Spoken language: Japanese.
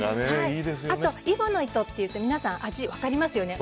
あと揖保乃糸っていうと皆さん、味分かりますよね。